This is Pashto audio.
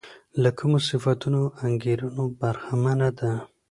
له کومو صفتونو او انګېرنو برخمنه ده.